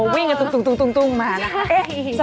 วิ่งกันตุ้งมานะคะ